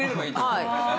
はい。